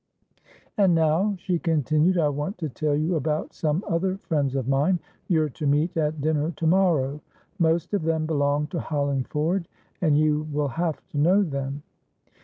"And now," she continued, "I want to tell you about some other friends of mine you're to meet at dinner tomorrow. Most of them belong to Hollingford, and you will have to know them."